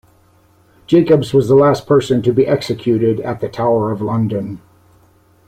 Jakobs was the last person to be executed at the Tower of London.